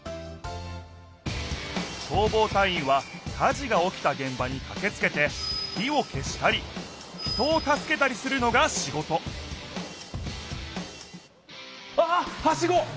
消防隊員は火事がおきたげん場にかけつけて火を消したり人を助けたりするのが仕事わあっはしご！